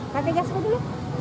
pakai gasnya dulu